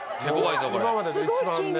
今までで一番ね